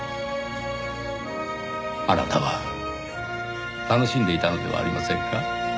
あなたは楽しんでいたのではありませんか？